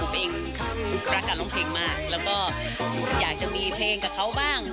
เพลงประกาศร้องเพลงมากแล้วก็อยากจะมีเพลงกับเขาบ้าง